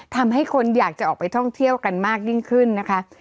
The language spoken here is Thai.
ทำให้คนอยากจะออกไปท่องเที่ยวกันมากยิ่งขึ้นนะคะ